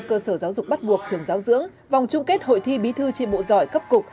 cơ sở giáo dục bắt buộc trường giáo dưỡng vòng chung kết hội thi bí thư tri bộ giỏi cấp cục